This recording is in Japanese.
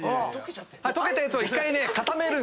溶けたやつを１回固める。